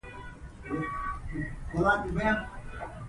د ولس ملاتړ د مشروعیت ملا ده